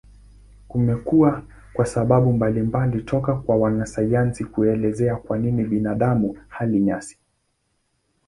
Kumekuwa sababu mbalimbali toka kwa wanasayansi kuelezea kwa nini binadamu hali nyasi.